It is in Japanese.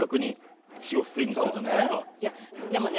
いやでもね